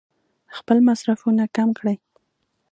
خپل مصرفونه کم کړي.